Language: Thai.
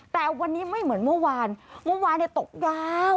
แต่วันนี้ไม่เหมือนเมื่อวานเมื่อวานตกยาว